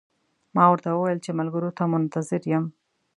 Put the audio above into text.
ما ورته وویل چې ملګرو ته منتظر یم.